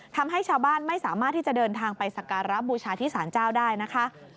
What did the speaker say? ทำให้ชาวบ้านไม่สามารถที่จะเดินทางไปสการะบูชาที่สารเจ้าได้นะคะ